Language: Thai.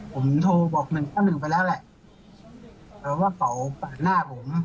ผมโทรบอก๑๙๑ไปแล้วแหละว่าเขาปาดหน้าผม